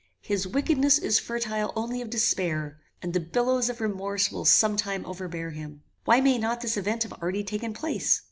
His wickedness is fertile only of despair; and the billows of remorse will some time overbear him. Why may not this event have already taken place?